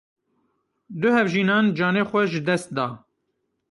Du hevjînan canê xwe jidest da.